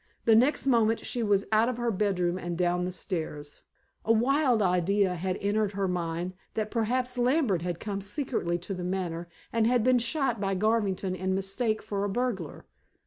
The next moment she was out of her bedroom and down the stairs. A wild idea had entered her mind that perhaps Lambert had come secretly to The Manor, and had been shot by Garvington in mistake for a burglar.